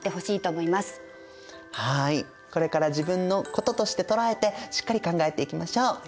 はいこれから自分のこととして捉えてしっかり考えていきましょう。